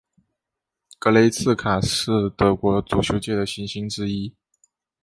格雷茨卡是德国足球界的新星之一。